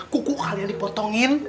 kuku kalian dipotongin